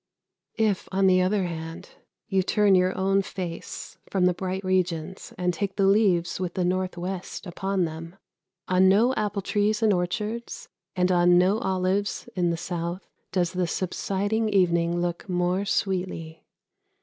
If, on the other hand, you turn your own face from the bright regions and take the leaves with the north west upon them, on no apple trees in orchards, and on no olives in the south, does the subsiding evening look more sweetly.